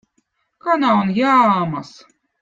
kana on Jaamõz